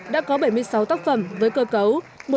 đã có bảy mươi sáu tác phẩm với cơ cấu